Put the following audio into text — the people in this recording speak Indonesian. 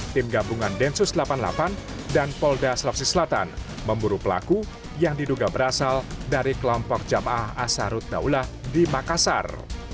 tim gabungan densus delapan puluh delapan dan polda selopsi selatan memburu pelaku yang diduga berasal dari kelompok jamaah asarut daulah di makassar